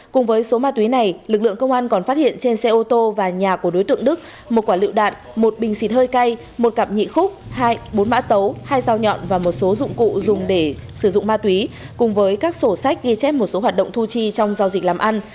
cùng với số ma túy này lực lượng công an còn phát hiện trên xe ô tô và nhà của đối tượng đức một quả lựu đạn một bình xịt hơi cay một cặp nhị khúc bốn mã tấu hai dao nhọn và một số dụng cụ dùng để sử dụng ma túy cùng với các sổ sách ghi chép một số hoạt động thu chi trong giao dịch làm ăn